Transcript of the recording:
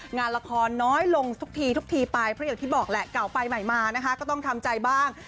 งานละครน้อยลงทุกทีทุกทีไปเพราะอย่างที่บอกแหละเก่าไปใหม่มานะคะก็ต้องทำใจบ้าง